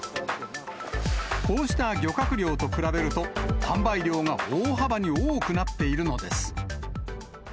こうした漁獲量と比べると、販売量が大幅に多くなっているのです。